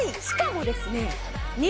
しかもですね